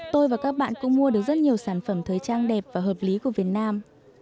tôi và các bạn cũng mua được rất nhiều sản phẩm thời trang đẹp và hợp lý của việt nam